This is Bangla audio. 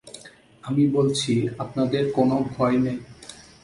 আমি বলছি আপনাদের কোনো ভয় নেই।